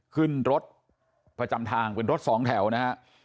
ขึ้นรถประจำทางเป็นรถสองแถวนะฮะ